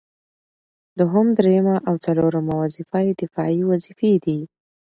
دوهم، دريمه او څلورمه وظيفه يې دفاعي وظيفي دي